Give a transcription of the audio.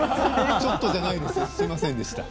ちょっとじゃないですよ。すみませんでした。